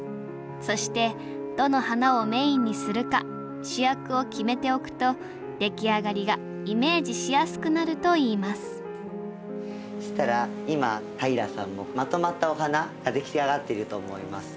そしてどの花をメインにするか主役を決めておくとできあがりがイメージしやすくなるといいますそしたら今平さんもまとまったお花ができあがっていると思います。